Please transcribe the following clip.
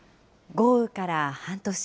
豪雨から半年。